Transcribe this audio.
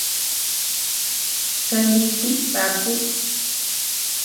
Kaníti baku.